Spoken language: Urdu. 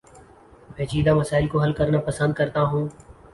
پیچیدہ مسائل کو حل کرنا پسند کرتا ہوں